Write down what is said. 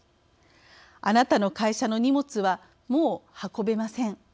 あなたの会社の荷物はもう運べません。